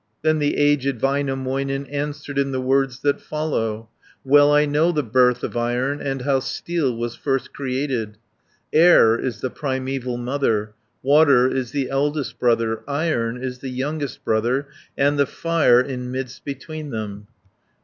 Then the aged Väinämöinen Answered in the words that follow: "Well I know the birth of Iron, And how steel was first created. Air is the primeval mother, Water is the eldest brother, 30 Iron is the youngest brother, And the Fire in midst between them.